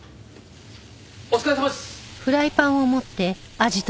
お疲れさまです！